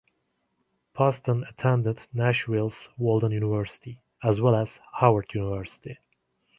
Poston attended Nashville's Walden University, as well as Howard University.